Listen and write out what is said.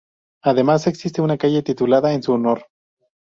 Además, existe una calle titulada en su honor.